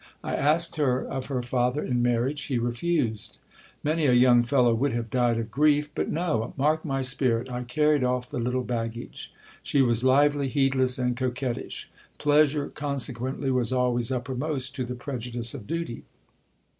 I asked her of her father in marriage, he refused. Many a young fellow would have died of grief ; but no ! mark my spirit, I carried off the little baggage. She was lively, heedless, and coquettish : pleasure consequently was always uppermost to the prejudice of duty.